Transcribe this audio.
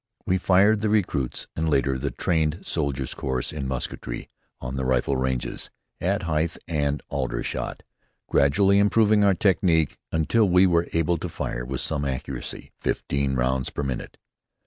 We fired the recruit's, and later, the trained soldier's course in musketry on the rifle ranges at Hythe and Aldershot, gradually improving our technique, until we were able to fire with some accuracy, fifteen rounds per minute.